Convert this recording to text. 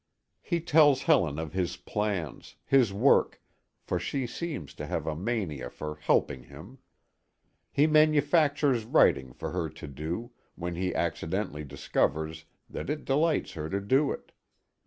He tells Helen of his plans, his work, for she seems to have a mania for "helping" him. He manufactures writing for her to do, when he accidentally discovers that it delights her to do it.